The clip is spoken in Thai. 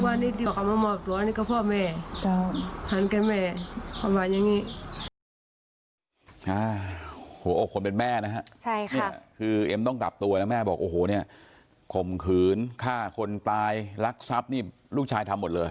อันนี้ต่อมามอบตัวนี่ก็พ่อแม่หันกับแม่คำว่าอย่างนี้